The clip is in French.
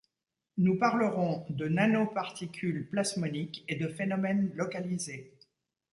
Nous parlerons de nanoparticules plasmoniques et de phénomène localisé.